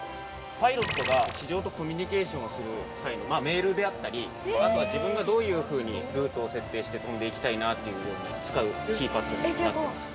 ◆パイロットが、地上とコミュニケーションする際のメールであったりあとは、自分がどういうふうにルートを設定して飛んでいきたいなというように使うキーパッドになってます。